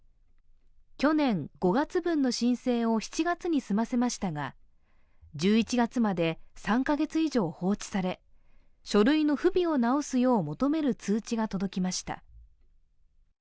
去年５月分の申請を７月に済ませましたが、１１月まで３カ月以上放置され、書類の不備を直すよう求める通知が届きました。